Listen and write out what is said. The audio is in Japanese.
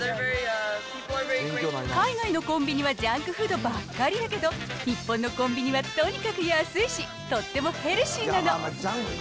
海外のコンビニはジャンクフードばっかりだけど、日本のコンビニはとにかく安いし、とってもヘルシーなの。